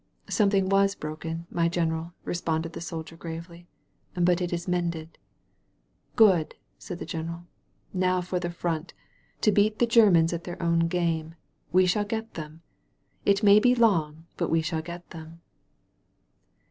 "Something was broken, my General," responded the soldier gravely, but it is mended." "Good!" said the general. "Now for the front, to beat the Germans at their own game. We shall get them. It may be long, but we shall get them